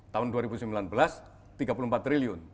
tahun dua ribu sembilan belas tiga puluh empat triliun